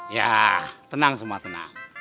ya tenang semua tenang